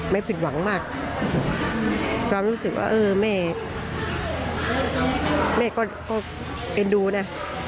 ผิดหวังมากความรู้สึกว่าเออแม่แม่ก็เอ็นดูนะ